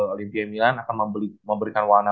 olimpia milan akan memberikan warna